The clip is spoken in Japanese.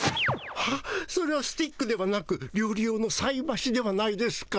ハッそれはスティックではなくりょう理用のさいばしではないですか。